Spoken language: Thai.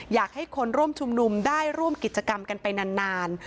อยากให้คนร่วมชุมนุมได้ร่วมกิจกรรมกันไปนาน